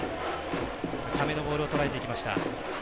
高めのボールをとらえていきました。